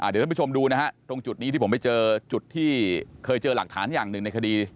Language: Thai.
เดี๋ยวท่านผู้ชมดูนะฮะตรงจุดนี้ที่ผมไปเจอจุดที่เคยเจอหลักฐานอย่างหนึ่งในคดี